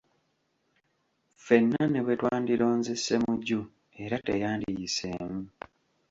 Ffenna ne bwe twandironze Ssemujju era teyandiyiseemu.